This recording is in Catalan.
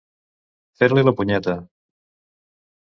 Fer-li la punyeta.